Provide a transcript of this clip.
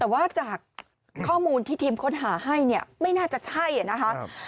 แต่ว่าจากข้อมูลที่ทีมค้นหาให้เนี่ยไม่น่าจะใช่นะคะ